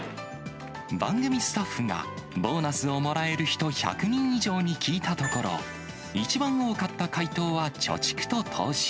番組スタッフがボーナスをもらえる人１００人以上に聞いたところ、一番多かった回答は貯蓄と投資。